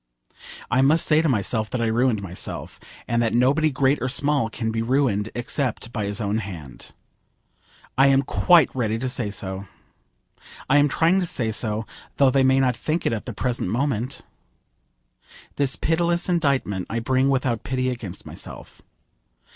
... I must say to myself that I ruined myself, and that nobody great or small can be ruined except by his own hand. I am quite ready to say so. I am trying to say so, though they may not think it at the present moment. This pitiless indictment I bring without pity against myself.